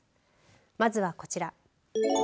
まずはこちら。